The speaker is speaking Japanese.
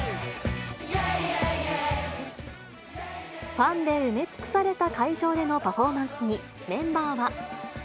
ファンで埋め尽くされた会場でのパフォーマンスに、メンバーは。